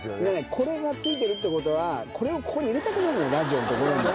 これが付いてるってことはこれをここに入れたくなるラジオの所に。